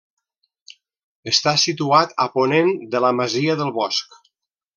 Està situat a ponent de la masia del Bosc.